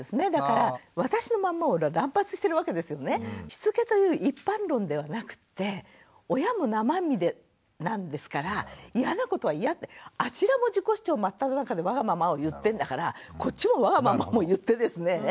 しつけという一般論ではなくって親も生身でなんですからイヤなことはイヤってあちらも自己主張真っただ中でわがままを言ってんだからこっちもわがままを言ってですね